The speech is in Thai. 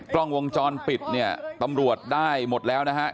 กล้องวงจรปิดเนี่ยตำรวจได้หมดแล้วนะครับ